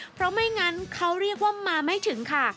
เพราะไม่งั้นเขาเรียกว่ามาไม่ถึงค่ะ